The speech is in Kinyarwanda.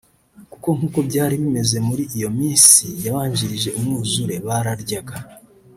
Kuko nkuko byari bimeze muri iyo minsi yabanjirije umwuzure; bararyaga